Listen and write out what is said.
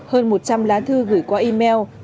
hơn một trăm linh lá thư gửi qua email